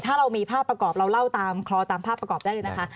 ถ้าเรามีภาพประกอบเราเล่าตามคลอตามภาพประกอบได้เลยนะคะ